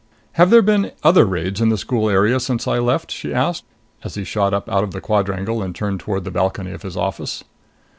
"Have there been other raids in the school area since I left?" she asked, as he shot up out of the quadrangle and turned toward the balcony of his office.